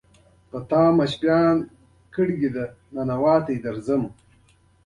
د کمېسیون مشر دوه پاڼې راباسي.